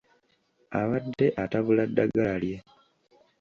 Abadde atabula ddagala lye.